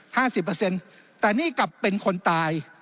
ห้าสิบเปอร์เซ็นต์แต่นี่กลับเป็นคนตาย